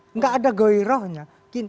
enggak ada geirahnya